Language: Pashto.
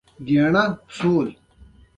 چارواکو ته پکار ده چې، مطبوعات ازاد کړي.